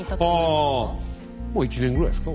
まあ１年ぐらいですか？